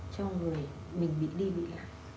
cho người mình bị đi bị lạ